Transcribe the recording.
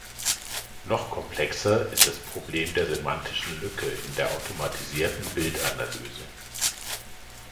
Noch komplexer ist das Problem der semantischen Lücke in der automatisierten Bildanalyse.